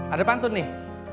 ada pantun nih